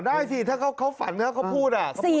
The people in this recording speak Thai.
ได้สิถ้าเขาฝันเขาพูด